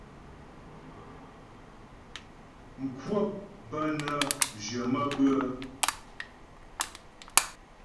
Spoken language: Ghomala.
Mkwəp bə́ nə́ jyə̀ maə́bʉə́'ə.